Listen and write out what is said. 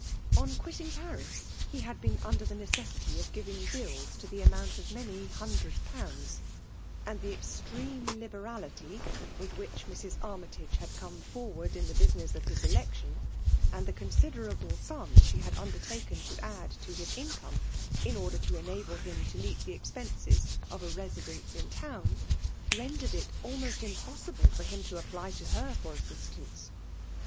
On quittiii^ Paris, he had been under the ne cesBity of giving bills to die armonnt of many faondfed pounds ; nnd the extreme liberality ivifh which Mrs. Armytaige had come fcnrward in the bmoness of his Election^ and the con ciderable stun she hid undertaken to add to Ihb income, in order to enable hun'to meet the expenses of a residence in t%>wn, tend^ed it ahaost impossible for him to apply to her Ibr assistance.